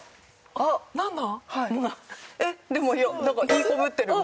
えっでもいやなんかいい子ぶってるのが。